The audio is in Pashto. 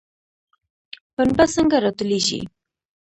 پنبه څنګه راټولیږي؟